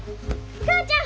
お母ちゃん！